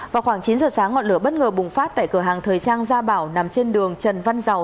vào khoảng chín giờ sáng ngọn lửa bất ngờ bùng phát tại cửa hàng thời trang gia bảo nằm trên đường trần văn dầu